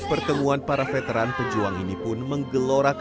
asia afrika memuja indonesia